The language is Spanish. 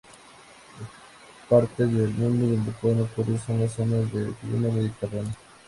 Las partes del mundo donde puede ocurrir son las zonas de clima mediterráneo.